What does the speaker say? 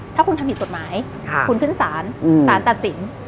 ถ้าคุณทำผิดกฎหมายคุณขึ้นศาลศาลตัดสิน